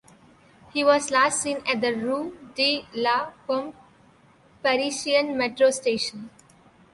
He was last seen at the Rue de la Pompe Parisian metro station.